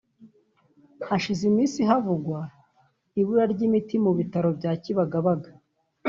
Hashize iminsi havugwa ibura ry’imiti mu bitaro bya Kibagabaga